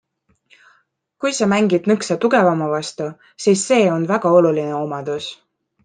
Kui sa mängid nõksa tugevama vastu, siis see on väga oluline omadus.